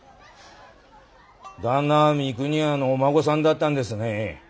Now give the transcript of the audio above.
旦那は三国屋のお孫さんだったんですね。